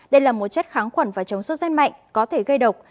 đây là một chất kháng khuẩn và chống xuất danh mạnh có thể gây độc